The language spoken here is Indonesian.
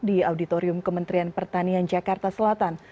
di auditorium kementerian pertanian jakarta selatan